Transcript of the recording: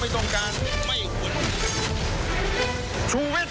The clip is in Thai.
ผมผมผม